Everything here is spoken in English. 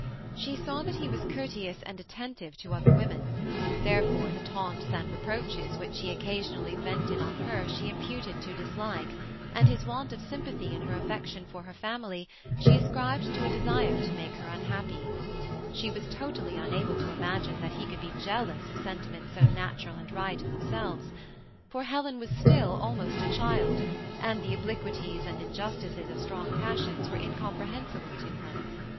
She saw that he was courteous and attentive te other women ; therefore, the taunts and reproaches which he occasionally vented on her she imputed to dislike, and his want of sympathy in her affection for her family she ascribed to a desire to 9* 202 THE SEMI ATTACHED COUPLE. make her unhappj. She was totally unable to imagine that he coald be jealous of sentiments so natural and right in themselves ; for Helen was still almost a child, and the obliquities and injustices of strong passions were incomprehensible to her.